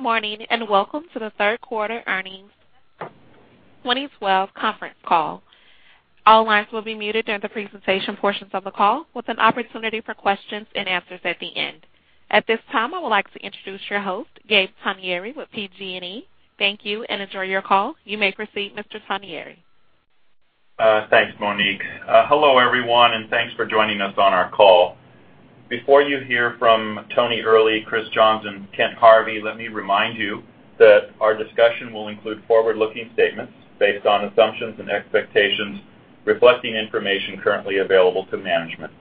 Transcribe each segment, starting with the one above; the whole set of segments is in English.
Good morning, welcome to the third quarter earnings 2012 conference call. All lines will be muted during the presentation portions of the call, with an opportunity for questions and answers at the end. At this time, I would like to introduce your host, Gabriel Togneri with PG&E. Thank you, enjoy your call. You may proceed, Mr. Togneri. Thanks, Monique. Hello everyone, thanks for joining us on our call. Before you hear from Tony Earley, Chris Johns, and Kent Harvey, let me remind you that our discussion will include forward-looking statements based on assumptions and expectations reflecting information currently available to management.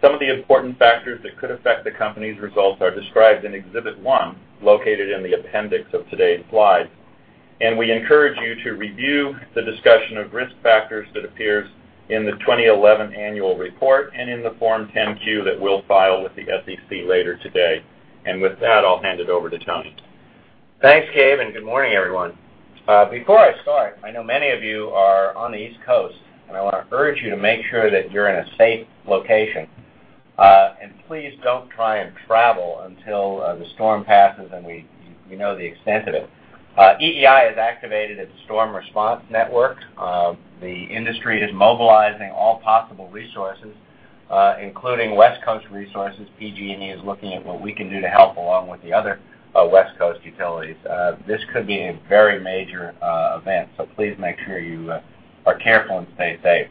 Some of the important factors that could affect the company's results are described in Exhibit One, located in the appendix of today's slides. We encourage you to review the discussion of risk factors that appears in the 2011 annual report and in the Form 10-Q that we'll file with the SEC later today. With that, I'll hand it over to Tony. Thanks, Gabe, good morning, everyone. Before I start, I know many of you are on the East Coast, I want to urge you to make sure that you're in a safe location. Please don't try and travel until the storm passes and we know the extent of it. EEI has activated its Storm Response Network. The industry is mobilizing all possible resources, including West Coast resources. PG&E is looking at what we can do to help, along with the other West Coast utilities. This could be a very major event, so please make sure you are careful and stay safe.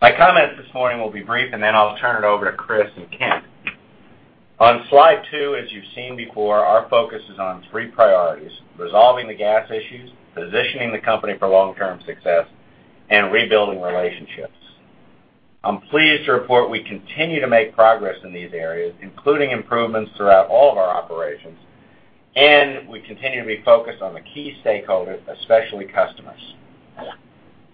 My comments this morning will be brief, I'll turn it over to Chris and Kent. On slide two, as you've seen before, our focus is on three priorities: resolving the gas issues, positioning the company for long-term success, and rebuilding relationships. I'm pleased to report we continue to make progress in these areas, including improvements throughout all of our operations, we continue to be focused on the key stakeholders, especially customers.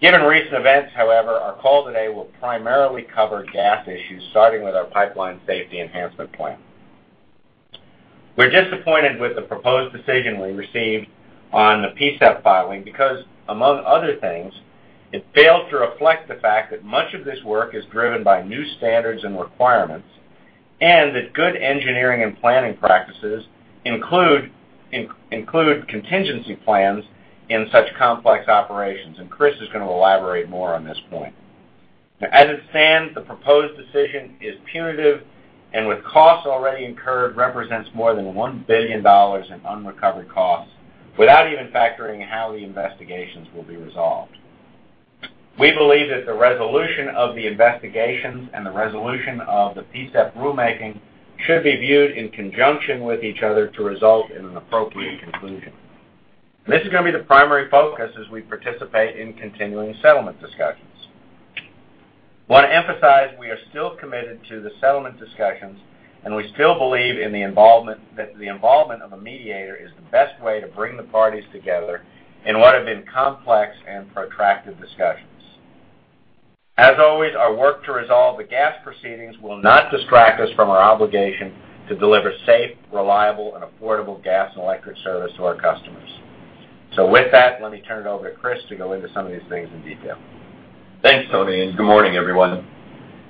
Given recent events, however, our call today will primarily cover gas issues, starting with our Pipeline Safety Enhancement Plan. We're disappointed with the proposed decision we received on the PSEP filing because, among other things, it failed to reflect the fact that much of this work is driven by new standards and requirements and that good engineering and planning practices include contingency plans in such complex operations, Chris is going to elaborate more on this point. As it stands, the proposed decision is punitive and with costs already incurred, represents more than $1 billion in unrecovered costs without even factoring how the investigations will be resolved. We believe that the resolution of the investigations and the resolution of the PSEP rulemaking should be viewed in conjunction with each other to result in an appropriate conclusion. This is going to be the primary focus as we participate in continuing settlement discussions. I want to emphasize we are still committed to the settlement discussions, and we still believe that the involvement of a mediator is the best way to bring the parties together in what have been complex and protracted discussions. As always, our work to resolve the gas proceedings will not distract us from our obligation to deliver safe, reliable, and affordable gas and electric service to our customers. With that, let me turn it over to Chris to go into some of these things in detail. Thanks, Tony. Good morning, everyone.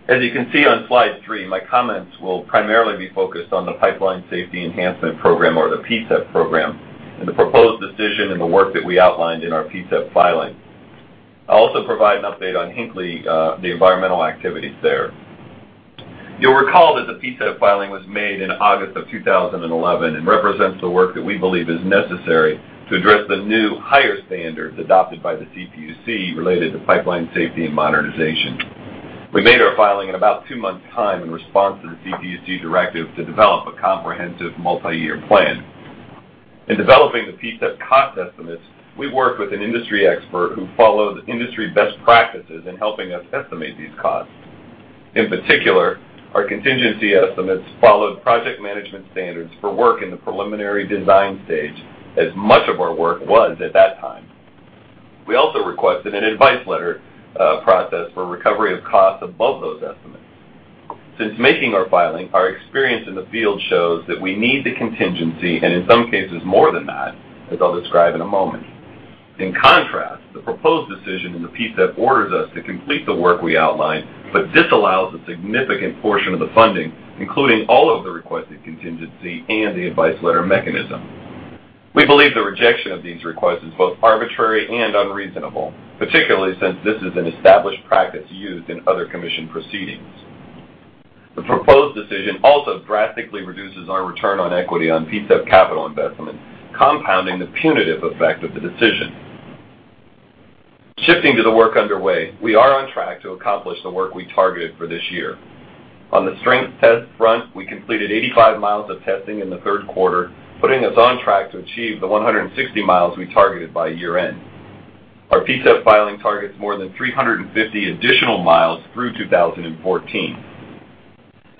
As you can see on slide three, my comments will primarily be focused on the Pipeline Safety Enhancement Program, or the PSEP program, and the proposed decision and the work that we outlined in our PSEP filing. I will also provide an update on Hinkley, the environmental activities there. You will recall that the PSEP filing was made in August of 2011 and represents the work that we believe is necessary to address the new higher standards adopted by the CPUC related to pipeline safety and modernization. We made our filing in about two months' time in response to the CPUC directive to develop a comprehensive multi-year plan. In developing the PSEP cost estimates, we worked with an industry expert who followed industry best practices in helping us estimate these costs. In particular, our contingency estimates followed project management standards for work in the preliminary design stage, as much of our work was at that time. We also requested an advice letter process for recovery of costs above those estimates. Since making our filing, our experience in the field shows that we need the contingency and in some cases more than that, as I will describe in a moment. In contrast, the proposed decision in the PSEP orders us to complete the work we outlined, but disallows a significant portion of the funding, including all of the requested contingency and the advice letter mechanism. We believe the rejection of these requests is both arbitrary and unreasonable, particularly since this is an established practice used in other commission proceedings. The proposed decision also drastically reduces our ROE on PSEP capital investments, compounding the punitive effect of the decision. Shifting to the work underway, we are on track to accomplish the work we targeted for this year. On the strength test front, we completed 85 miles of testing in the third quarter, putting us on track to achieve the 160 miles we targeted by year-end. Our PSEP filing targets more than 350 additional miles through 2014.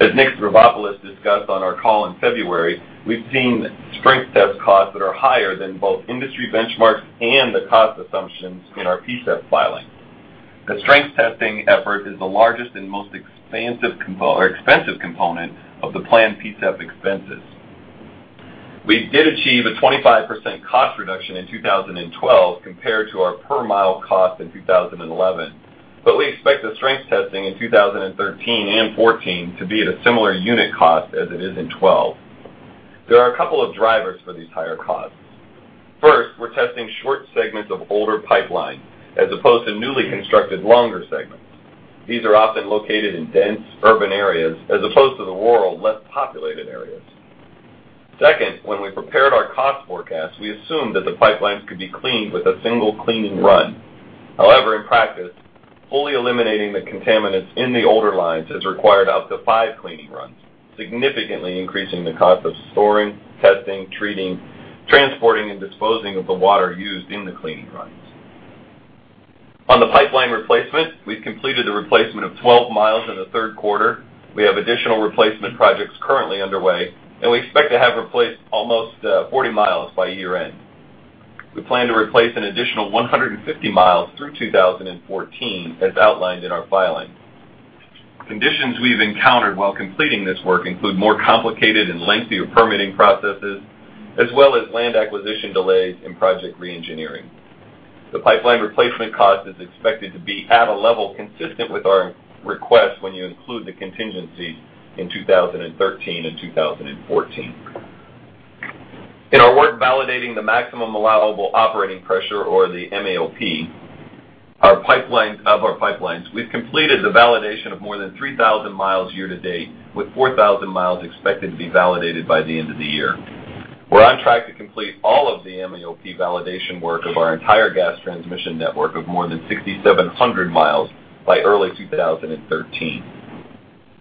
As Nick Stavropoulos discussed on our call in February, we have seen strength test costs that are higher than both industry benchmarks and the cost assumptions in our PSEP filing. The strength testing effort is the largest and most expensive component of the planned PSEP expenses. We did achieve a 25% cost reduction in 2012 compared to our per-mile cost in 2011. We expect the strength testing in 2013 and 2014 to be at a similar unit cost as it is in 2012. There are a couple of drivers for these higher costs. First, we're testing short segments of older pipeline as opposed to newly constructed longer segments. These are often located in dense urban areas, as opposed to the rural, less populated areas. Second, when we prepared our cost forecast, we assumed that the pipelines could be cleaned with a single cleaning run. However, in practice, fully eliminating the contaminants in the older lines has required up to five cleaning runs, significantly increasing the cost of storing, testing, treating, transporting, and disposing of the water used in the cleaning runs. On the pipeline replacement, we've completed the replacement of 12 miles in the third quarter. We have additional replacement projects currently underway, and we expect to have replaced almost 40 miles by year-end. We plan to replace an additional 150 miles through 2014, as outlined in our filing. Conditions we've encountered while completing this work include more complicated and lengthier permitting processes, as well as land acquisition delays and project re-engineering. The pipeline replacement cost is expected to be at a level consistent with our request when you include the contingency in 2013 and 2014. In our work validating the Maximum Allowable Operating Pressure, or the MAOP, of our pipelines, we've completed the validation of more than 3,000 miles year to date, with 4,000 miles expected to be validated by the end of the year. We're on track to complete all of the MAOP validation work of our entire gas transmission network of more than 6,700 miles by early 2013.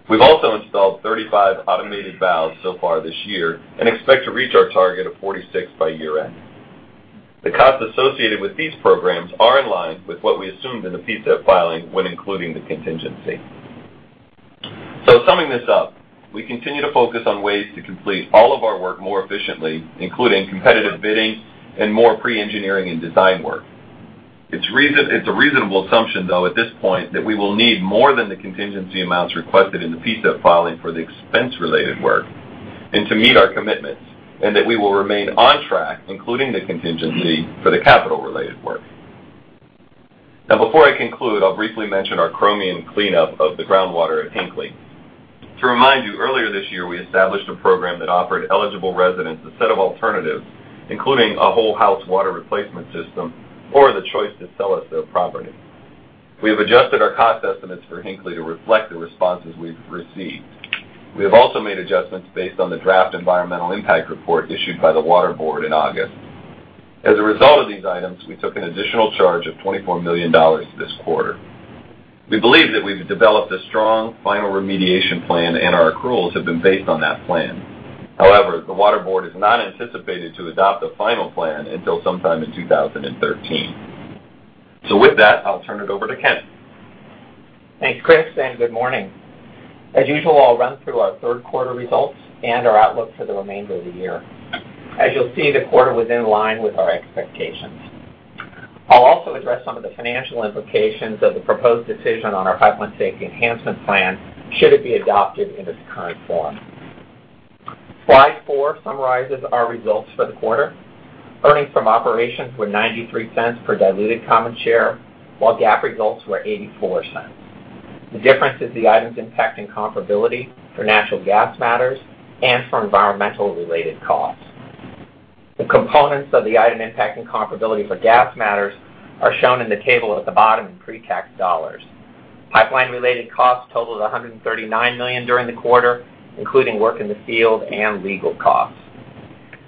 We've also installed 35 automated valves so far this year and expect to reach our target of 46 by year-end. The cost associated with these programs are in line with what we assumed in the PSEP filing when including the contingency. Summing this up, we continue to focus on ways to complete all of our work more efficiently, including competitive bidding and more pre-engineering and design work. It's a reasonable assumption, though, at this point, that we will need more than the contingency amounts requested in the PSEP filing for the expense-related work and to meet our commitments, and that we will remain on track, including the contingency for the capital-related work. Before I conclude, I'll briefly mention our chromium cleanup of the groundwater at Hinkley. To remind you, earlier this year, we established a program that offered eligible residents a set of alternatives, including a whole-house water replacement system or the choice to sell us their property. We have adjusted our cost estimates for Hinkley to reflect the responses we've received. We have also made adjustments based on the draft Environmental Impact Report issued by the Water Board in August. As a result of these items, we took an additional charge of $24 million this quarter. We believe that we've developed a strong final remediation plan, and our accruals have been based on that plan. However, the Water Board is not anticipated to adopt a final plan until sometime in 2013. With that, I'll turn it over to Kent. Thanks, Chris, and good morning. As usual, I'll run through our third quarter results and our outlook for the remainder of the year. As you'll see, the quarter was in line with our expectations. I'll also address some of the financial implications of the proposed decision on our Pipeline Safety Enhancement Plan should it be adopted in its current form. Slide four summarizes our results for the quarter. Earnings from operations were $0.93 per diluted common share, while GAAP results were $0.84. The difference is the items impacting comparability for natural gas matters and for environmental-related costs. The components of the item impacting comparability for gas matters are shown in the table at the bottom in pre-tax dollars. Pipeline-related costs totaled $139 million during the quarter, including work in the field and legal costs.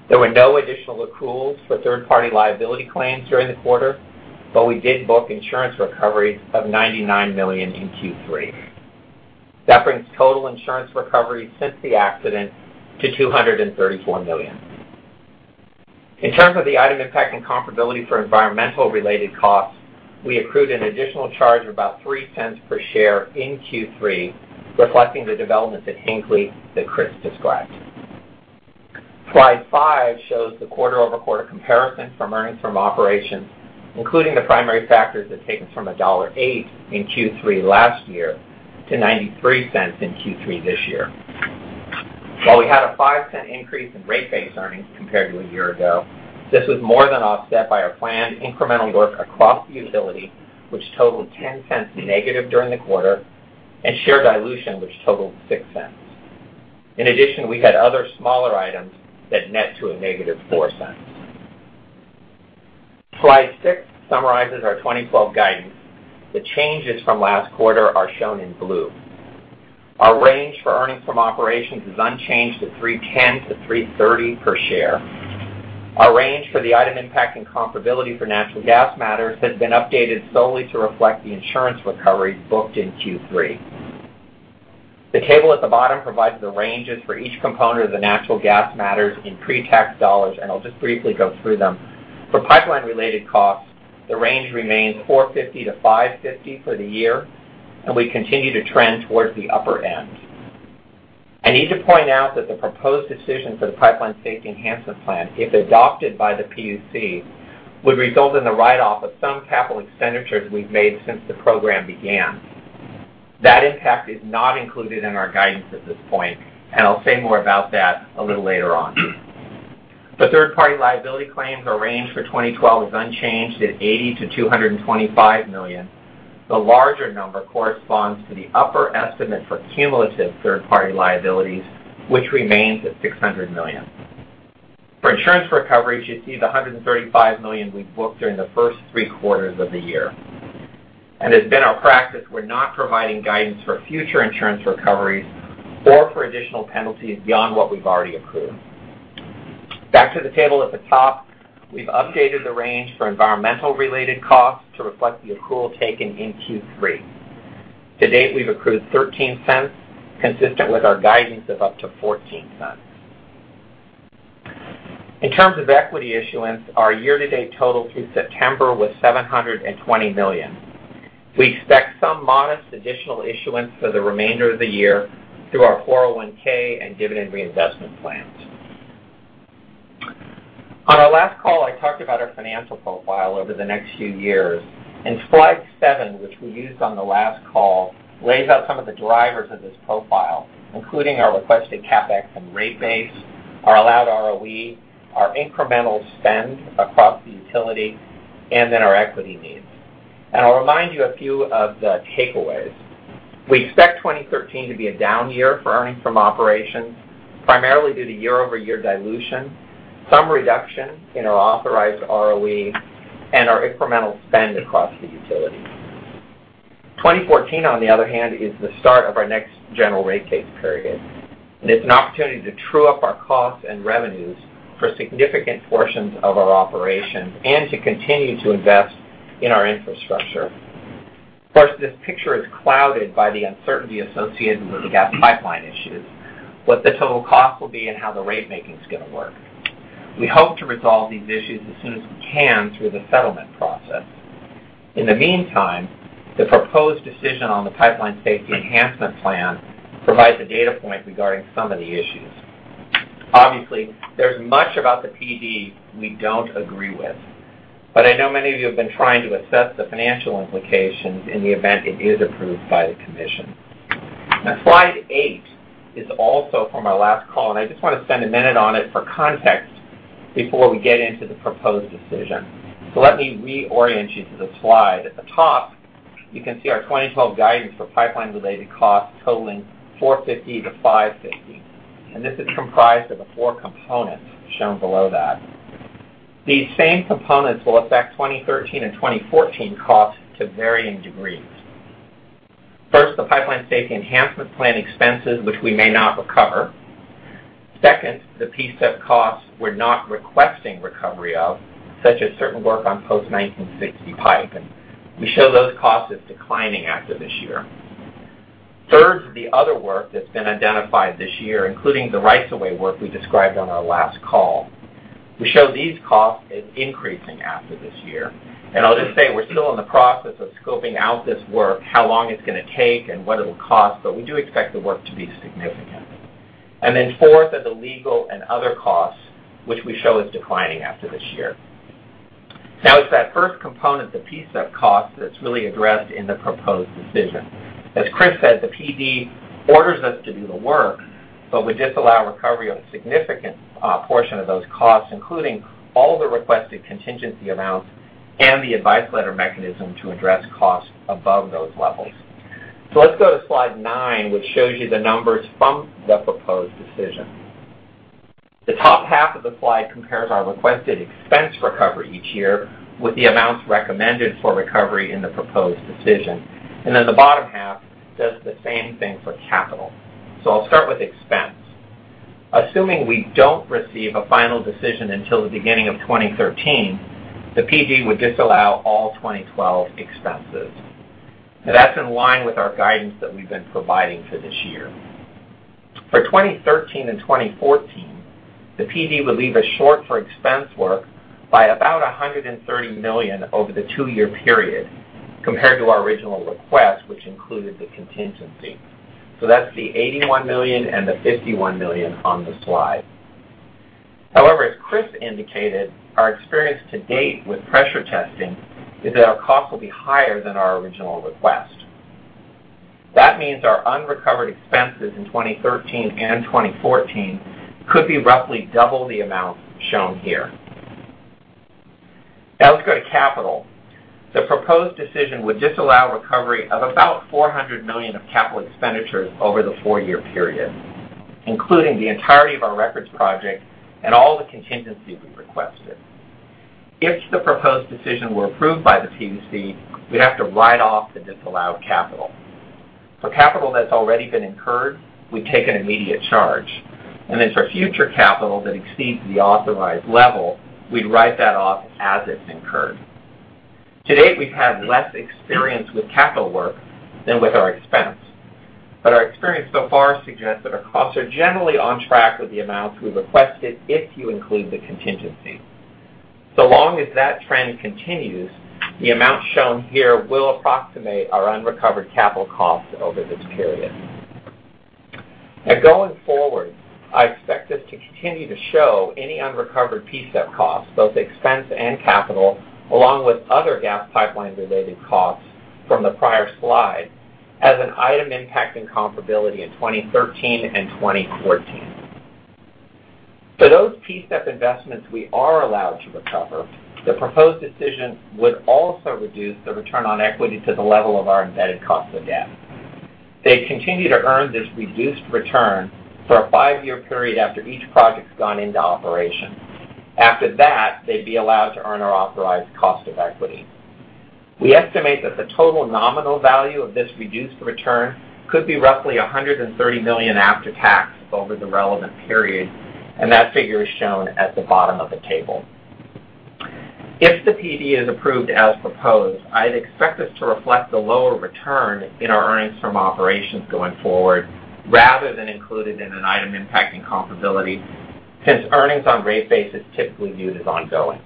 There were no additional accruals for third-party liability claims during the quarter. We did book insurance recoveries of $99 million in Q3. That brings total insurance recovery since the accident to $234 million. In terms of the item impacting comparability for environmental related costs, we accrued an additional charge of about $0.03 per share in Q3, reflecting the developments at Hinkley that Chris described. Slide five shows the quarter-over-quarter comparison from earnings from operations, including the primary factors that take us from $1.08 in Q3 last year to $0.93 in Q3 this year. While we had a $0.05 increase in rate-based earnings compared to a year ago, this was more than offset by our planned incremental work across the utility, which totaled $0.10 negative during the quarter, and share dilution, which totaled $0.06. In addition, we had other smaller items that net to a negative $0.04. Slide six summarizes our 2012 guidance. The changes from last quarter are shown in blue. Our range for earnings from operations is unchanged at $3.10-$3.30 per share. Our range for the item impacting comparability for natural gas matters has been updated solely to reflect the insurance recovery booked in Q3. The table at the bottom provides the ranges for each component of the natural gas matters in pre-tax dollars. I'll just briefly go through them. For pipeline-related costs, the range remains $450-$550 for the year, and we continue to trend towards the upper end. I need to point out that the proposed decision for the Pipeline Safety Enhancement Plan, if adopted by the PUC, would result in the write-off of some capital expenditures we've made since the program began. That impact is not included in our guidance at this point. I'll say more about that a little later on. The third-party liability claims, our range for 2012 is unchanged at $80 million-$225 million. The larger number corresponds to the upper estimate for cumulative third-party liabilities, which remains at $600 million. For insurance recoveries, you see the $135 million we've booked during the first three quarters of the year. It's been our practice, we're not providing guidance for future insurance recoveries or for additional penalties beyond what we've already accrued. Back to the table at the top, we've updated the range for environmental related costs to reflect the accrual taken in Q3. To date, we've accrued $0.13, consistent with our guidance of up to $0.14. In terms of equity issuance, our year-to-date total through September was $720 million. We expect some modest additional issuance for the remainder of the year through our 401(k) and dividend reinvestment plans. On our last call, I talked about our financial profile over the next few years, and slide seven, which we used on the last call, lays out some of the drivers of this profile, including our requested CapEx and rate base, our allowed ROE, our incremental spend across the utility, and then our equity needs. I'll remind you a few of the takeaways. We expect 2013 to be a down year for earnings from operations, primarily due to year-over-year dilution, some reduction in our authorized ROE, and our incremental spend across the utility. 2014, on the other hand, is the start of our next General Rate Case period. It's an opportunity to true up our costs and revenues for significant portions of our operations and to continue to invest in our infrastructure. Of course, this picture is clouded by the uncertainty associated with the gas pipeline issues, what the total cost will be, and how the rate making's going to work. We hope to resolve these issues as soon as we can through the settlement process. In the meantime, the proposed decision on the Pipeline Safety Enhancement Plan provides a data point regarding some of the issues. Obviously, there's much about the PD we don't agree with, but I know many of you have been trying to assess the financial implications in the event it is approved by the commission. Now, slide eight is also from our last call, and I just want to spend a minute on it for context before we get into the proposed decision. Let me reorient you to the slide. At the top, you can see our 2012 guidance for pipeline-related costs totaling $450-$550, and this is comprised of the four components shown below that. These same components will affect 2013 and 2014 costs to varying degrees. First, the Pipeline Safety Enhancement Plan expenses, which we may not recover. Second, the PSIP costs we're not requesting recovery of, such as certain work on post-1960 pipe, and we show those costs as declining after this year. Third, the other work that's been identified this year, including the rights-of-way work we described on our last call. We show these costs as increasing after this year. I'll just say we're still in the process of scoping out this work, how long it's going to take, and what it'll cost, but we do expect the work to be significant. Then fourth are the legal and other costs, which we show as declining after this year. Now it's that first component, the PSIP cost, that's really addressed in the proposed decision. As Chris said, the PD orders us to do the work, but would disallow recovery of a significant portion of those costs, including all the requested contingency amounts and the advice letter mechanism to address costs above those levels. Let's go to slide nine, which shows you the numbers from the proposed decision. The top half of the slide compares our requested expense recovery each year with the amounts recommended for recovery in the proposed decision. The bottom half does the same thing for capital. I'll start with expense. Assuming we don't receive a final decision until the beginning of 2013, the PD would disallow all 2012 expenses. That's in line with our guidance that we've been providing for this year. For 2013 and 2014, the PD would leave us short for expense work by about $130 million over the two-year period compared to our original request, which included the contingency. That's the $81 million and the $51 million on the slide. However, as Chris indicated, our experience to date with pressure testing is that our cost will be higher than our original request. That means our unrecovered expenses in 2013 and 2014 could be roughly double the amount shown here. Let's go to capital. The proposed decision would disallow recovery of about $400 million of capital expenditures over the four-year period, including the entirety of our records project and all the contingencies we requested. If the proposed decision were approved by the PUC, we'd have to write off the disallowed capital. For capital that's already been incurred, we take an immediate charge. As for future capital that exceeds the authorized level, we'd write that off as it's incurred. To date, we've had less experience with capital work than with our expense, but our experience so far suggests that our costs are generally on track with the amounts we requested if you include the contingency. Long as that trend continues, the amount shown here will approximate our unrecovered capital costs over this period. Going forward, I expect this to continue to show any unrecovered PSEP costs, both expense and capital, along with other gas pipeline-related costs from the prior slide as an item impacting comparability in 2013 and 2014. For those PSEP investments we are allowed to recover, the proposed decision would also reduce the return on equity to the level of our embedded cost of debt. They continue to earn this reduced return for a five-year period after each project's gone into operation. After that, they'd be allowed to earn our authorized cost of equity. We estimate that the total nominal value of this reduced return could be roughly $130 million after tax over the relevant period, and that figure is shown at the bottom of the table. If the PD is approved as proposed, I'd expect us to reflect the lower return in our earnings from operations going forward rather than included in an item impacting comparability, since earnings on rate base is typically viewed as ongoing.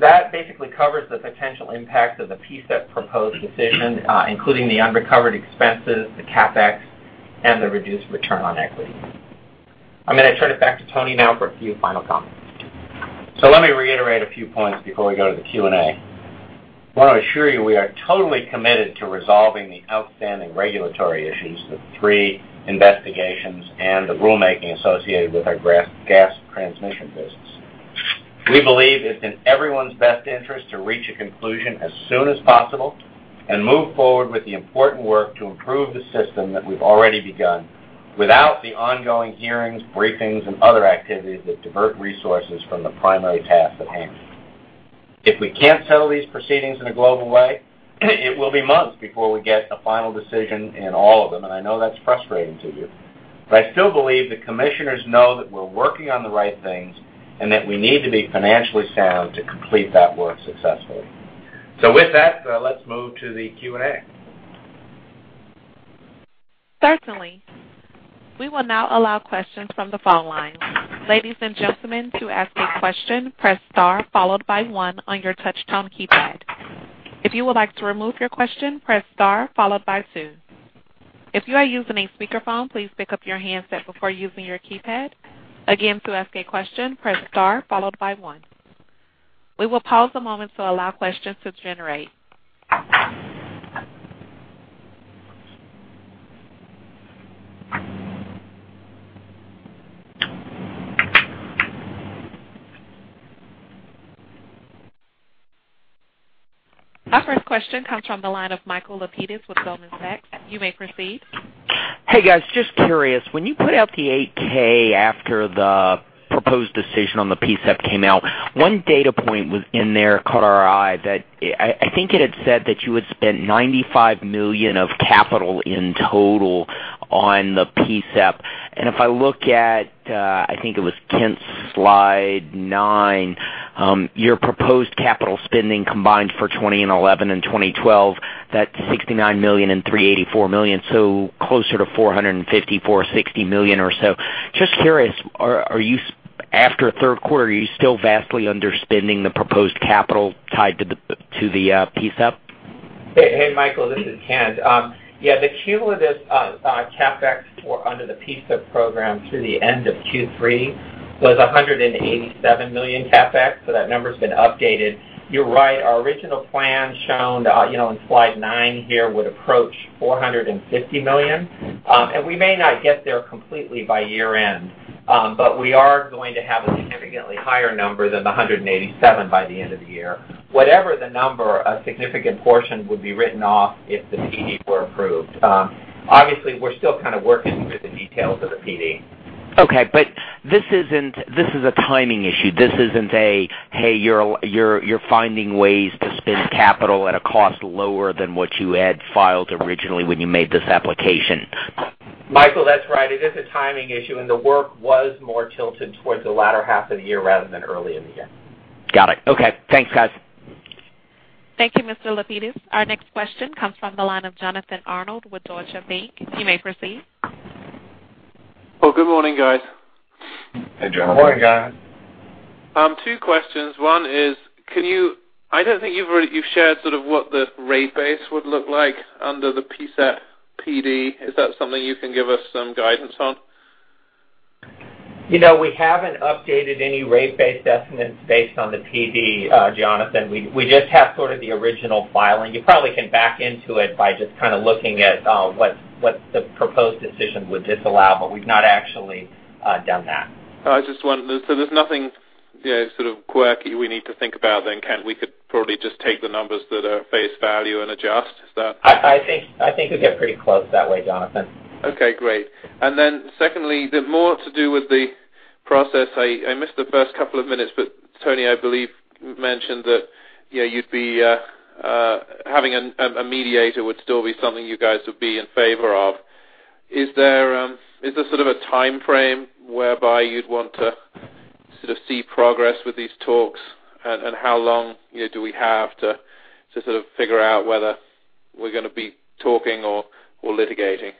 That basically covers the potential impact of the PSEP proposed decision, including the unrecovered expenses, the CapEx, and the reduced return on equity. I'm going to turn it back to Tony now for a few final comments. Let me reiterate a few points before we go to the Q&A. I want to assure you, we are totally committed to resolving the outstanding regulatory issues, the three investigations, and the rulemaking associated with our gas transmission business. We believe it's in everyone's best interest to reach a conclusion as soon as possible and move forward with the important work to improve the system that we've already begun without the ongoing hearings, briefings, and other activities that divert resources from the primary task at hand. If we can't settle these proceedings in a global way, it will be months before we get a final decision in all of them, and I know that's frustrating to you. I still believe the commissioners know that we're working on the right things and that we need to be financially sound to complete that work successfully. With that, let's move to the Q&A. Certainly. We will now allow questions from the phone lines. Ladies and gentlemen, to ask a question, press star followed by one on your touchtone keypad. If you would like to remove your question, press star followed by two. If you are using a speakerphone, please pick up your handset before using your keypad. Again, to ask a question, press star followed by one. We will pause a moment to allow questions to generate. Our first question comes from the line of Michael Lapides with Goldman Sachs. You may proceed. Hey, guys. Just curious, when you put out the 8-K after the proposed decision on the PSEP came out, one data point was in there caught our eye that I think it had said that you had spent $95 million of capital in total on the PSEP. And if I look at, I think it was Kent's slide nine, your proposed capital spending combined for 2011 and 2012, that's $69 million and $384 million, so closer to $454 million, $60 million or so. Just curious, after third quarter, are you still vastly underspending the proposed capital tied to the PSEP? Hey, Michael. This is Kent. Yeah, the cumulative CapEx for under the PSEP program through the end of Q3 was $187 million CapEx, that number's been updated. You're right, our original plan shown in slide nine here would approach $450 million. We may not get there completely by year-end, but we are going to have a significantly higher number than the $187 by the end of the year. Whatever the number, a significant portion would be written off if the PD were approved. Obviously, we're still kind of working through the details of the PD. Okay. This is a timing issue. This isn't a, hey, you're finding ways to spend capital at a cost lower than what you had filed originally when you made this application. Michael, that's right. It is a timing issue, and the work was more tilted towards the latter half of the year rather than early in the year. Got it. Okay. Thanks, guys. Thank you, Mr. Lapides. Our next question comes from the line of Jonathan Arnold with Deutsche Bank. You may proceed. Well, good morning, guys. Hey, Jonathan. Good morning, guys. Two questions. One is, I don't think you've shared sort of what the rate base would look like under the PSEP PD. Is that something you can give us some guidance on? We haven't updated any rate base estimates based on the PD, Jonathan. We just have sort of the original filing. You probably can back into it by just kind of looking at what the proposed decision would disallow. We've not actually done that. There's nothing sort of quirky we need to think about then, Kent? We could probably just take the numbers that are face value and adjust. Is that- I think you'll get pretty close that way, Jonathan. Okay, great. Secondly, a bit more to do with the process. I missed the first couple of minutes, but Tony, I believe, mentioned that having a mediator would still be something you guys would be in favor of. Is there sort of a timeframe whereby you'd want to sort of see progress with these talks? How long do we have to sort of figure out whether we're going to be talking or litigating?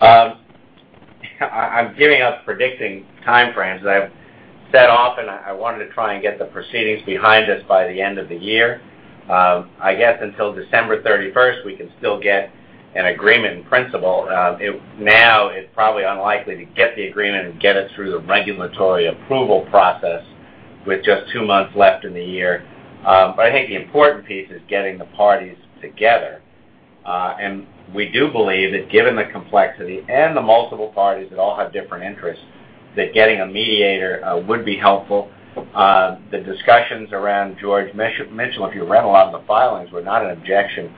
I'm giving up predicting timeframes. I've said often I wanted to try and get the proceedings behind us by the end of the year. I guess until December 31st, we can still get an agreement in principle. It's probably unlikely to get the agreement and get it through the regulatory approval process with just two months left in the year. I think the important piece is getting the parties together. We do believe that given the complexity and the multiple parties that all have different interests, that getting a mediator would be helpful. The discussions around George Mitchell, if you read a lot of the filings, were not an objection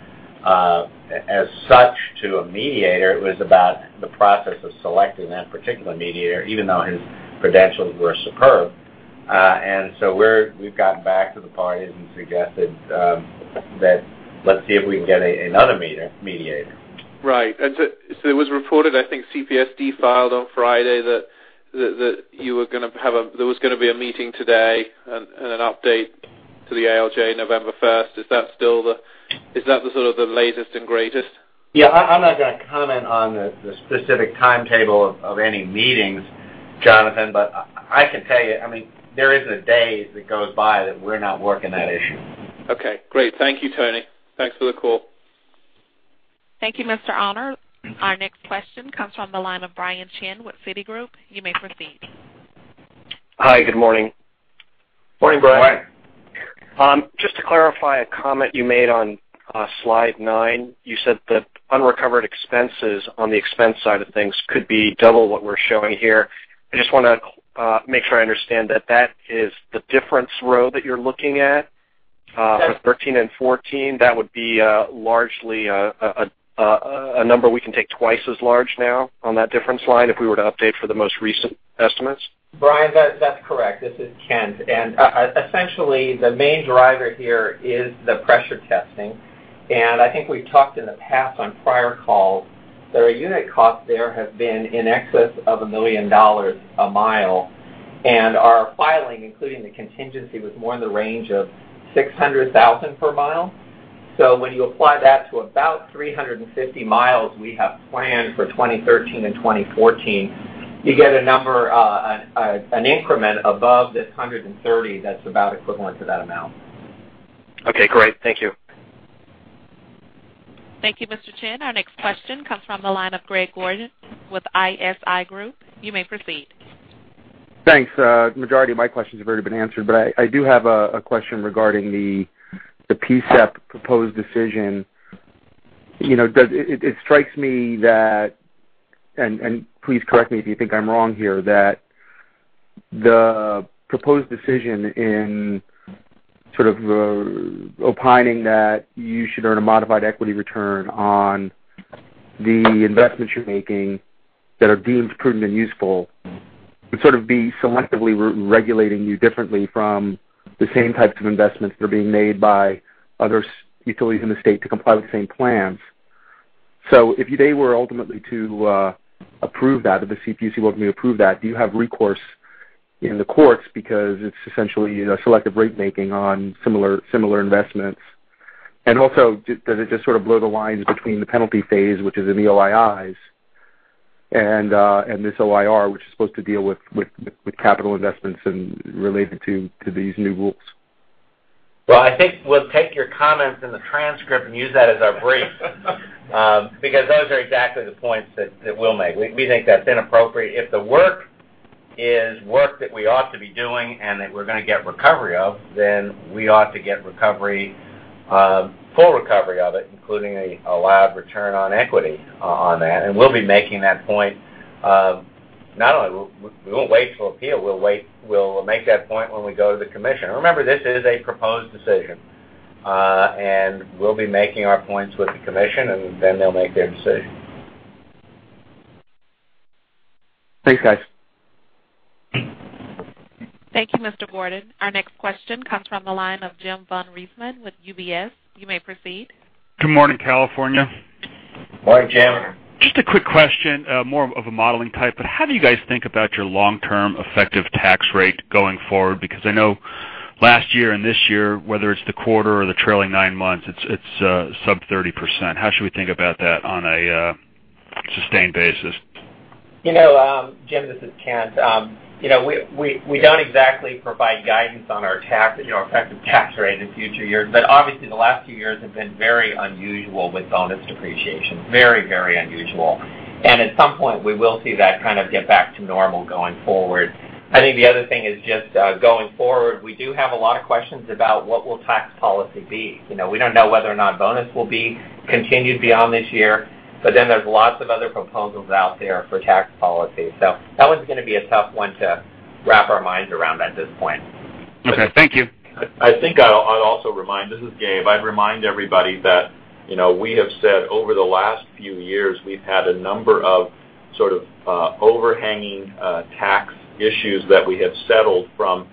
as such to a mediator. It was about the process of selecting that particular mediator, even though his credentials were superb. We've gotten back to the parties and suggested that let's see if we can get another mediator. Right. It was reported, I think CPSD filed on Friday, that there was going to be a meeting today and an update to the ALJ November 1st. Is that the sort of latest and greatest? Yeah, I'm not going to comment on the specific timetable of any meetings, Jonathan, but I can tell you, there isn't a day that goes by that we're not working that issue. Okay, great. Thank you, Tony. Thanks for the call. Thank you, Mr. Arnold. Our next question comes from the line of Brian Chin with Citigroup. You may proceed. Hi, good morning. Morning, Brian. Brian. Just to clarify a comment you made on slide nine, you said that unrecovered expenses on the expense side of things could be double what we're showing here. I just want to make sure I understand that that is the difference row that you're looking at- Yes for 2013 and 2014. That would be largely a number we can take twice as large now on that difference line if we were to update for the most recent estimates? Brian, that's correct. This is Kent. Essentially, the main driver here is the pressure testing. I think we've talked in the past on prior calls that our unit cost there has been in excess of $1 million a mile, and our filing, including the contingency, was more in the range of $600,000 per mile. When you apply that to about 350 miles we have planned for 2013 and 2014, you get a number, an increment above this $130 that's about equivalent to that amount. Okay, great. Thank you. Thank you, Mr. Chin. Our next question comes from the line of Greg Gordon with ISI Group. You may proceed. Thanks. Majority of my questions have already been answered, but I do have a question regarding the PSEP proposed decision. It strikes me that, and please correct me if you think I'm wrong here, that the proposed decision in sort of opining that you should earn a modified equity return on the investments you're making that are deemed prudent and useful would sort of be selectively regulating you differently from the same types of investments that are being made by other utilities in the state to comply with the same plans. If they were ultimately to approve that, if the CPUC were to approve that, do you have recourse in the courts because it's essentially selective rate making on similar investments? Also, does it just sort of blur the lines between the penalty phase, which is in the OIIs, and this OIR, which is supposed to deal with capital investments and related to these new rules? Well, I think we'll take your comments in the transcript and use that as our brief. Those are exactly the points that we'll make. We think that's inappropriate. If the work is work that we ought to be doing and that we're going to get recovery of, then we ought to get full recovery of it, including an allowed return on equity on that. We'll be making that point. We won't wait till appeal. We'll make that point when we go to the Commission. Remember, this is a proposed decision, and we'll be making our points with the Commission, and then they'll make their decision. Thanks, guys. Thank you, Mr. Gordon. Our next question comes from the line of James von Riesemann with UBS. You may proceed. Good morning, California. Morning, Jim. Just a quick question, more of a modeling type, how do you guys think about your long-term effective tax rate going forward? Because I know last year and this year, whether it's the quarter or the trailing nine months, it's sub 30%. How should we think about that on a sustained basis? Jim, this is Kent. We don't exactly provide guidance on our effective tax rate in future years. Obviously, the last few years have been very unusual with bonus depreciation. Very, very unusual. At some point, we will see that kind of get back to normal going forward. I think the other thing is just going forward, we do have a lot of questions about what will tax policy be. We don't know whether or not bonus will be continued beyond this year. There's lots of other proposals out there for tax policy. That one's going to be a tough one to wrap our minds around at this point. Okay. Thank you. I think I'd also remind, this is Gabe, I'd remind everybody that we have said over the last few years, we've had a number of sort of overhanging tax issues that we have settled from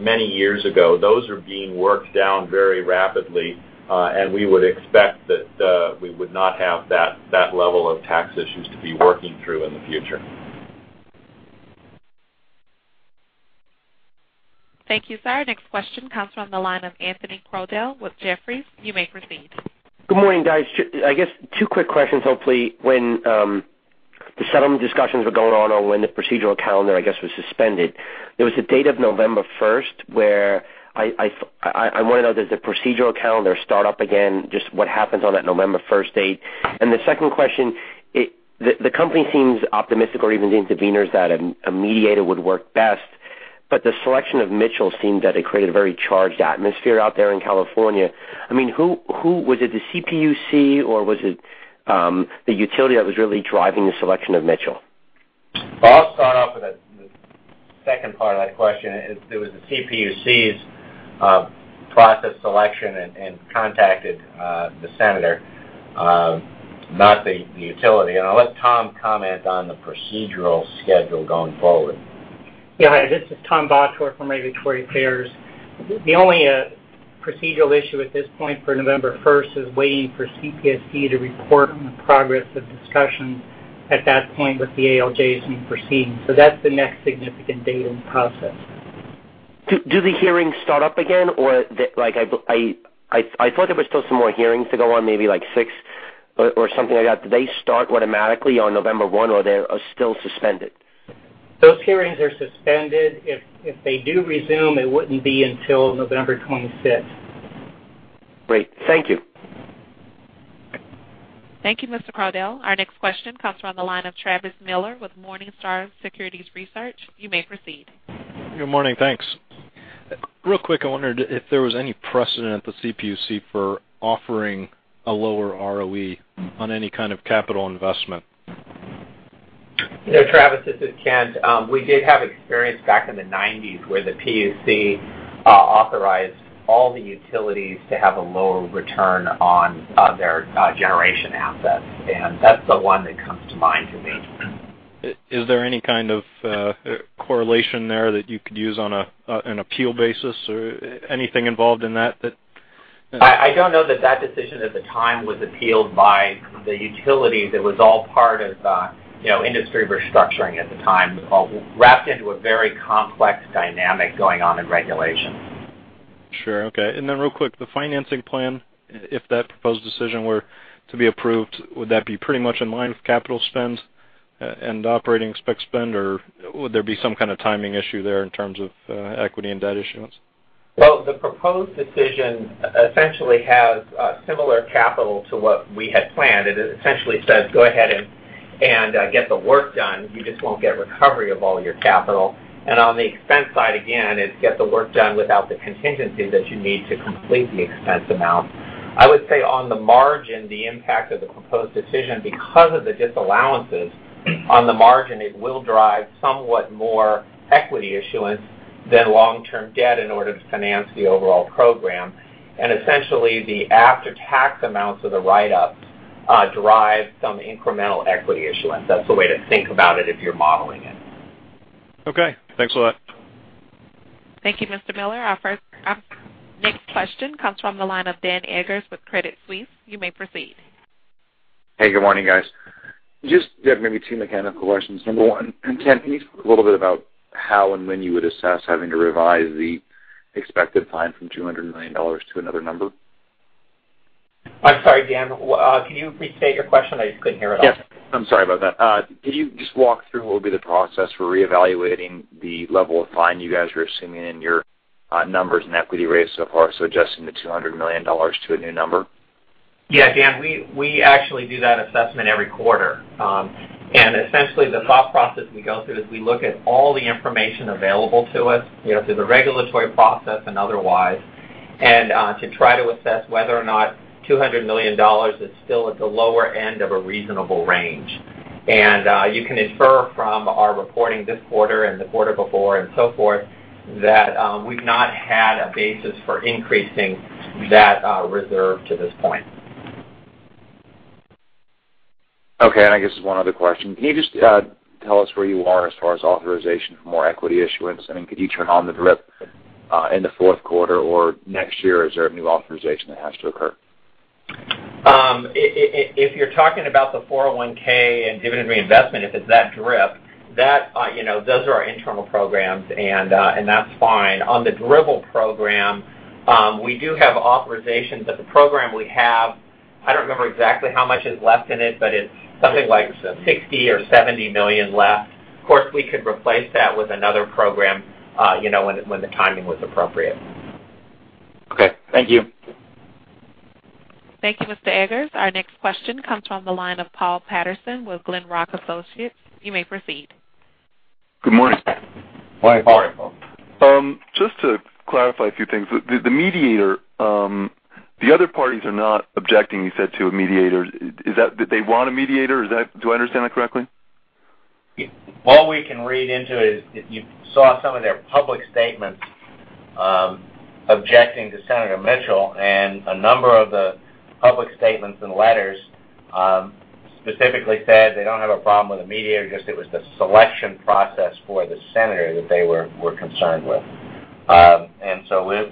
many years ago. Those are being worked down very rapidly. We would expect that we would not have that level of tax issues to be working through in the future. Thank you, sir. Next question comes from the line of Anthony Crowdell with Jefferies. You may proceed. Good morning, guys. I guess two quick questions, hopefully. When the settlement discussions were going on or when the procedural calendar, I guess, was suspended, there was a date of November first where I want to know, does the procedural calendar start up again, just what happens on that November first date? The second question, the company seems optimistic or even the interveners that a mediator would work best, but the selection of Mitchell seemed that it created a very charged atmosphere out there in California. Was it the CPUC or was it the utility that was really driving the selection of Mitchell? I'll start off with the second part of that question. It was the CPUC's process selection and contacted the senator, not the utility. I'll let Tom comment on the procedural schedule going forward. Yeah. Hi, this is Tom Bottorff from Regulatory Affairs. The only procedural issue at this point for November 1st is waiting for CPUC to report on the progress of discussions at that point with the ALJs and proceedings. That's the next significant date in the process. Do the hearings start up again? I thought there was still some more hearings to go on, maybe six or something like that. Do they start automatically on November 1, or they are still suspended? Those hearings are suspended. If they do resume, it wouldn't be until November 25th. Great. Thank you. Thank you, Mr. Crowdell. Our next question comes from the line of Travis Miller with Morningstar Securities Research. You may proceed. Good morning. Thanks. Real quick, I wondered if there was any precedent at the CPUC for offering a lower ROE on any kind of capital investment. Yeah, Travis, this is Kent. We did have experience back in the '90s where the PUC authorized all the utilities to have a lower return on their generation assets, and that's the one that comes to mind for me. Is there any kind of correlation there that you could use on an appeal basis or anything involved in that? I don't know that that decision at the time was appealed by the utilities. It was all part of industry restructuring at the time, wrapped into a very complex dynamic going on in regulations. Sure. Okay. Then real quick, the financing plan, if that proposed decision were to be approved, would that be pretty much in line with capital spends and operating spend, or would there be some kind of timing issue there in terms of equity and debt issuance? Well, the proposed decision essentially has a similar capital to what we had planned. It essentially says, go ahead and get the work done. You just won't get recovery of all your capital. On the expense side, again, it's get the work done without the contingency that you need to complete the expense amount. I would say on the margin, the impact of the proposed decision, because of the disallowances, on the margin, it will drive somewhat more equity issuance than long-term debt in order to finance the overall program. Essentially, the after-tax amounts of the write-offs drive some incremental equity issuance. That's the way to think about it if you're modeling it. Okay. Thanks a lot. Thank you, Mr. Miller. Our next question comes from the line of Dan Eggers with Credit Suisse. You may proceed. Hey, good morning, guys. Just maybe two mechanical questions. Number one, Kent, can you speak a little bit about how and when you would assess having to revise the expected fine from $200 million to another number? I'm sorry, Dan. Can you restate your question? I couldn't hear at all. Yes. I'm sorry about that. Can you just walk through what would be the process for reevaluating the level of fine you guys are assuming in your numbers and equity raise so far, so adjusting the $200 million to a new number? Yeah, Dan, we actually do that assessment every quarter. Essentially, the thought process we go through is we look at all the information available to us, through the regulatory process and otherwise, to try to assess whether or not $200 million is still at the lower end of a reasonable range. You can infer from our reporting this quarter and the quarter before and so forth, that we've not had a basis for increasing that reserve to this point. Okay. I guess one other question. Can you just tell us where you are as far as authorization for more equity issuance? Could you turn on the DRIP in the fourth quarter or next year? Is there a new authorization that has to occur? If you're talking about the 401(k) and dividend reinvestment, if it's that DRIP, those are our internal programs, and that's fine. On the DRIP program, we do have authorizations, but the program we have, I don't remember exactly how much is left in it, but it's something like $60 million or $70 million left. Of course, we could replace that with another program when the timing was appropriate. Okay. Thank you. Thank you, Mr. Eggers. Our next question comes from the line of Paul Patterson with Glenrock Associates. You may proceed. Good morning. Hi, Paul. Just to clarify a few things. The mediator, the other parties are not objecting, you said, to a mediator. They want a mediator? Do I understand that correctly? All we can read into it is you saw some of their public statements objecting to Senator Mitchell, and a number of the public statements and letters specifically said they don't have a problem with a mediator, just it was the selection process for the senator that they were concerned with.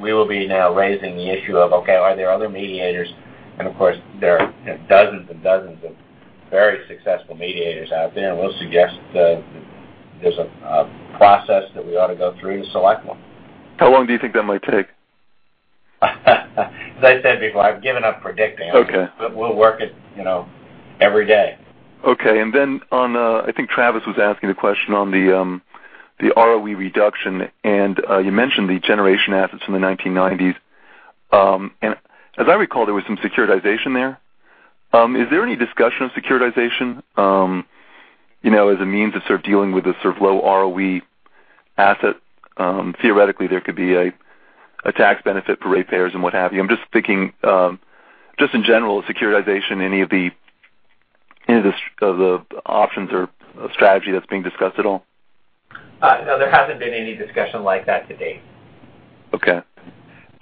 We will be now raising the issue of, okay, are there other mediators? And of course, there are dozens and dozens of Very successful mediators out there, and we'll suggest there's a process that we ought to go through to select one. How long do you think that might take? As I said before, I've given up predicting. Okay. We'll work it every day. Okay. Then, I think Travis was asking the question on the ROE reduction, and you mentioned the generation assets from the 1990s. As I recall, there was some securitization there. Is there any discussion of securitization, as a means of dealing with this sort of low ROE asset? Theoretically, there could be a tax benefit for ratepayers and what have you. I'm just thinking, just in general, securitization, any of the options or a strategy that's being discussed at all? No, there hasn't been any discussion like that to date. Okay.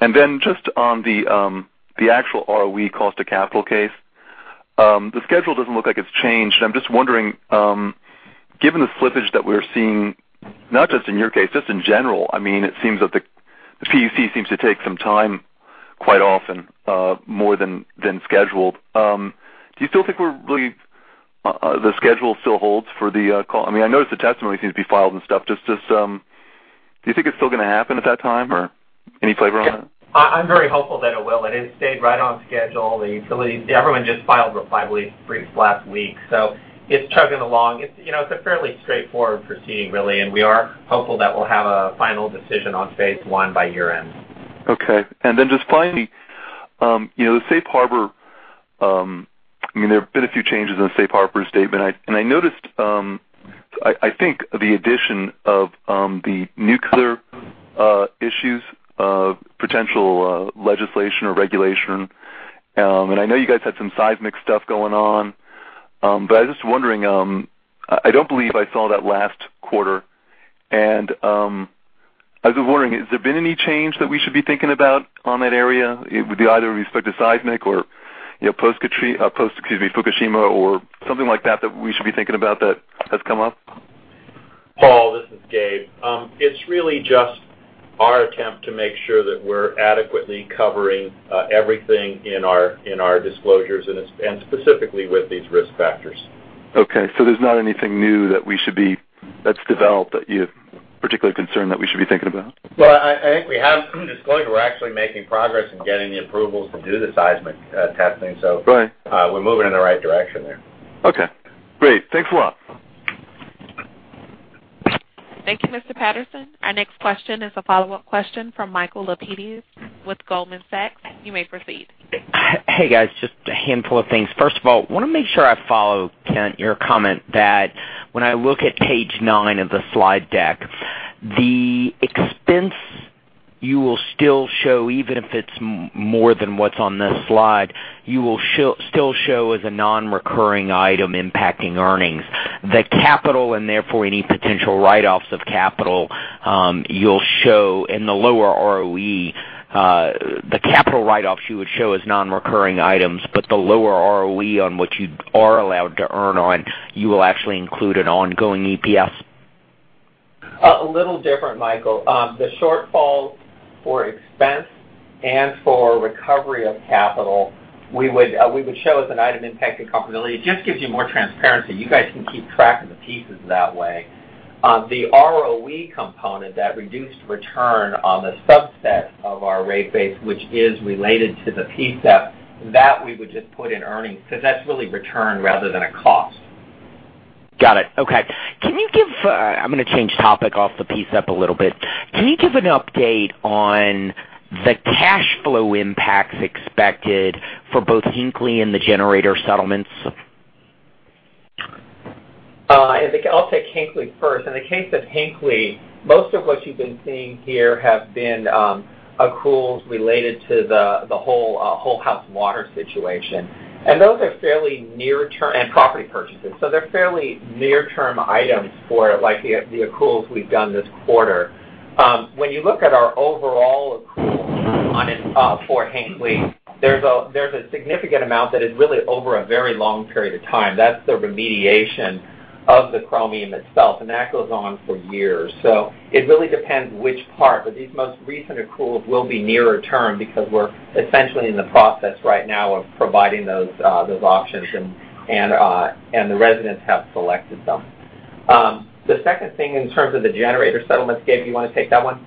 Then just on the actual ROE cost of capital case. The schedule doesn't look like it's changed, and I'm just wondering, given the slippage that we're seeing, not just in your case, just in general. It seems that the PUC seems to take some time, quite often, more than scheduled. Do you still think the schedule still holds for the call? I noticed the testimony seems to be filed and stuff. Do you think it's still going to happen at that time? Or any flavor on that? Yeah. I'm very hopeful that it will. It has stayed right on schedule. The utilities, everyone just filed reply briefs last week, it's chugging along. It's a fairly straightforward proceeding, really, we are hopeful that we'll have a final decision on phase one by year-end. Okay. Just finally, the safe harbor. There have been a few changes in the safe harbor statement. I noticed, I think the addition of the nuclear issues of potential legislation or regulation. I know you guys had some seismic stuff going on. I was just wondering, I don't believe I saw that last quarter, I was just wondering, has there been any change that we should be thinking about on that area with either respect to seismic or, post Fukushima or something like that we should be thinking about that has come up? Paul, this is Gabe. It's really just our attempt to make sure that we're adequately covering everything in our disclosures specifically with these risk factors. Okay. There's not anything new that's developed that you have particular concern that we should be thinking about? Well, I think we have disclosed we're actually making progress in getting the approvals to do the seismic testing, so- Right We're moving in the right direction there. Okay, great. Thanks a lot. Thank you, Mr. Patterson. Our next question is a follow-up question from Michael Lapides with Goldman Sachs. You may proceed. Hey, guys. Just a handful of things. First of all, want to make sure I follow, Kent, your comment that when I look at page nine of the slide deck, the expense you will still show, even if it's more than what's on this slide, you will still show as a non-recurring item impacting earnings. The capital and therefore any potential write-offs of capital, you will show in the lower ROE. The capital write-offs you would show as non-recurring items, but the lower ROE on which you are allowed to earn on, you will actually include an ongoing EPS? A little different, Michael. The shortfalls for expense and for recovery of capital, we would show as an item impacting profitability. It just gives you more transparency. You guys can keep track of the pieces that way. The ROE component, that reduced return on the subset of our rate base, which is related to the PSEP, that we would just put in earnings, because that's really return rather than a cost. Got it. Okay. I'm going to change topic off the PSEP a little bit. Can you give an update on the cash flow impacts expected for both Hinkley and the generator settlements? I'll take Hinkley first. In the case of Hinkley, most of what you've been seeing here have been accruals related to the whole house water situation, and property purchases. They're fairly near-term items for the accruals we've done this quarter. When you look at our overall accruals for Hinkley, there's a significant amount that is really over a very long period of time. That's the remediation of the chromium itself, and that goes on for years. It really depends which part, but these most recent accruals will be nearer term because we're essentially in the process right now of providing those options, and the residents have selected them. The second thing, in terms of the generator settlements, Gabe, you want to take that one?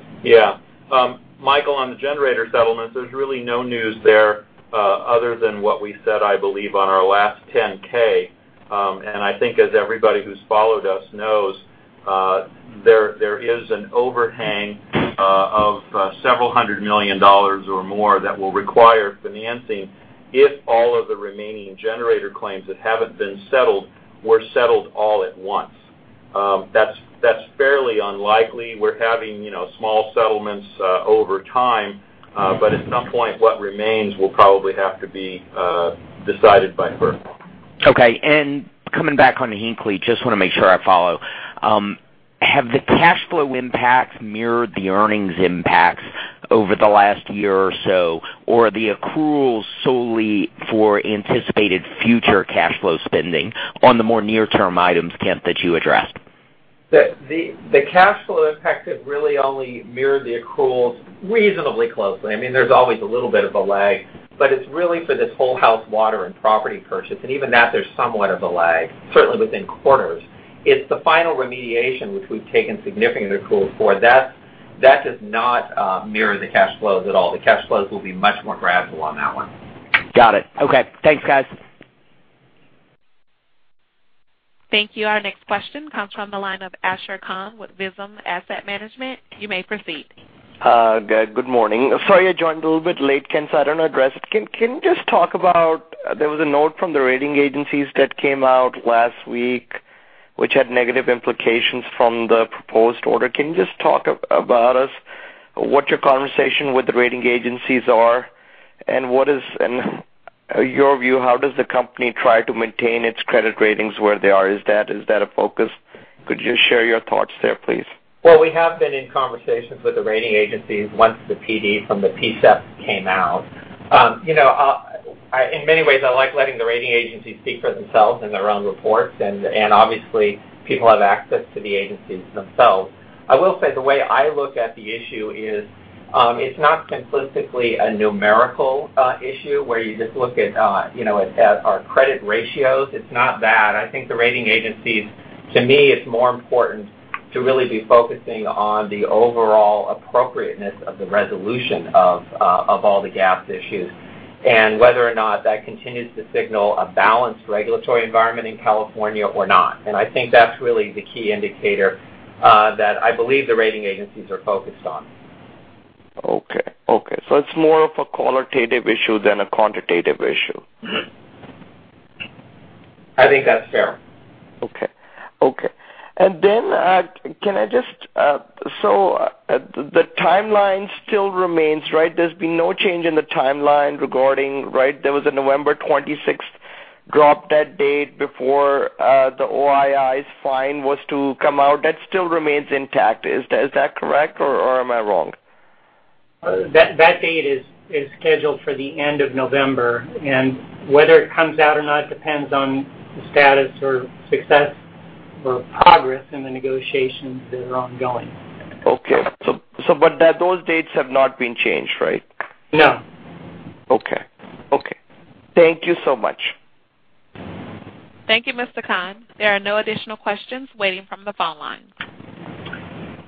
Michael, on the generator settlements, there's really no news there other than what we said, I believe, on our last 10-K. I think as everybody who's followed us knows, there is an overhang of several hundred million dollars or more that will require financing if all of the remaining generator claims that haven't been settled were settled all at once. That's fairly unlikely. We're having small settlements over time. At some point, what remains will probably have to be decided by FERC. Okay. Coming back on to Hinkley, just want to make sure I follow. Have the cash flow impacts mirrored the earnings impacts over the last year or so, or are the accruals solely for anticipated future cash flow spending on the more near-term items, Kent, that you addressed? The cash flow impact has really only mirrored the accruals reasonably closely. There's always a little bit of a lag, but it's really for this whole house water and property purchase, and even that, there's somewhat of a lag, certainly within quarters. It's the final remediation, which we've taken significant accruals for, that does not mirror the cash flows at all. The cash flows will be much more gradual on that one. Got it. Okay. Thanks, guys. Thank you. Our next question comes from the line of Ashar Khan with Visium Asset Management. You may proceed. Good morning. Sorry I joined a little bit late, so I don't know address it. There was a note from the rating agencies that came out last week, which had negative implications from the proposed order. Can you just talk about what your conversation with the rating agencies are, and your view, how does the company try to maintain its credit ratings where they are? Is that a focus? Could you share your thoughts there, please? Well, we have been in conversations with the rating agencies once the PD from the PSEP came out. In many ways, I like letting the rating agencies speak for themselves in their own reports, and obviously, people have access to the agencies themselves. I will say the way I look at the issue is, it's not simplistically a numerical issue where you just look at our credit ratios. It's not that. I think the rating agencies, to me, it's more important to really be focusing on the overall appropriateness of the resolution of all the gaps issues and whether or not that continues to signal a balanced regulatory environment in California or not. I think that's really the key indicator that I believe the rating agencies are focused on. Okay. It's more of a qualitative issue than a quantitative issue. Mm-hmm. I think that's fair. Okay. The timeline still remains, right? There's been no change in the timeline regarding, right? There was a November 26th drop-dead date before the OII's fine was to come out. That still remains intact. Is that correct, or am I wrong? That date is scheduled for the end of November, and whether it comes out or not depends on the status or success or progress in the negotiations that are ongoing. Okay. Those dates have not been changed, right? No. Okay. Thank you so much. Thank you, Mr. Khan. There are no additional questions waiting from the phone lines.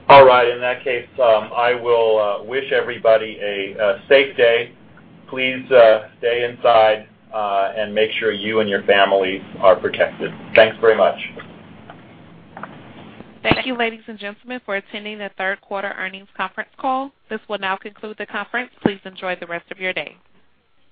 All right. In that case, I will wish everybody a safe day. Please stay inside, and make sure you and your families are protected. Thanks very much. Thank you, ladies and gentlemen, for attending the third quarter earnings conference call. This will now conclude the conference. Please enjoy the rest of your day.